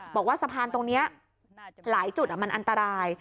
บอกว่าสะพานตรงนี้หลายจุดมันอันตราย